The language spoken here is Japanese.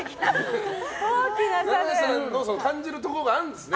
ＮＡＮＡさんに感じるところがあるんですね？